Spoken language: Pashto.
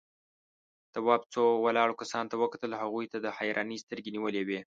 تواب څو ولاړو کسانو ته وکتل، هغوی ده ته حيرانې سترگې نيولې وې.